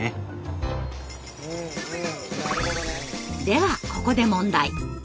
ではここで問題。